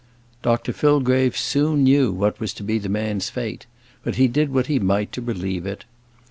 Dr Fillgrave soon knew what was to be the man's fate; but he did what he might to relieve it.